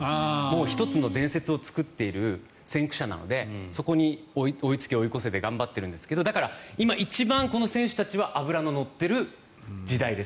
１つの伝説を作っている先駆者なのでそこに追いつけ追い越せで頑張っているんですけど今、一番この選手たちは脂の乗っている時代です。